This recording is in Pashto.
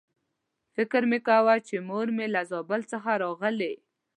فکر مې کاوه چې مور مې له زابل څخه راغلې.